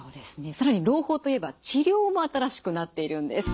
更に朗報といえば治療も新しくなっているんです。